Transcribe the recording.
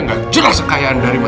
gak jelas kayaan dari mana